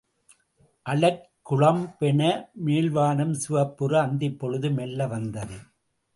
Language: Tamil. அழற்குழம்பென மேல்வானம் சிவப்புற அந்திப் பொழுது மெல்ல வந்தது.